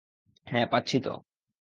হ্যাঁ পাচ্ছি তো।